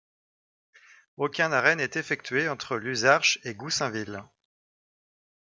Aucun arrêt n'est effectué entre Luzarches et Goussainville.